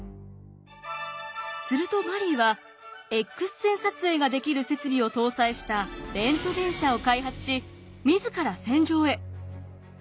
するとマリーはＸ線撮影ができる設備を搭載したレントゲン車を開発し自ら戦場へ。